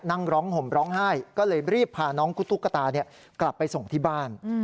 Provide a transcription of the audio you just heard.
นั่งร้องห่มร้องไห้ก็เลยรีบพาน้องคุณตุ๊กตากลับไปส่งที่บ้าน